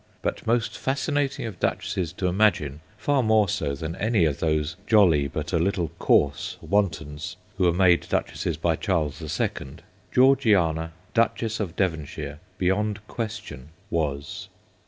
But most fascinating of duchesses to imagine far more so than any of those jolly but a little coarse wantons who were made duchesses by Charles the Second Georgiana, Duchess of Devonshire, beyond question was.